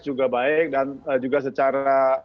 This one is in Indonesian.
juga baik dan juga secara